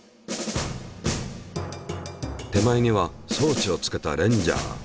手前には装置をつけたレンジャー。